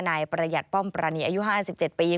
นายประหยัดป้อมปรานีอายุ๕๗ปี